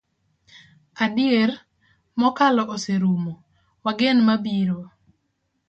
Adier, mokalo oserumo, wagen mabiro.